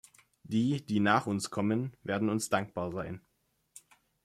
Die, die nach uns kommen, werden uns dankbar sein.